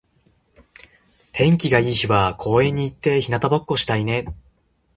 天気が良い日は公園に行って日向ぼっこしたいね。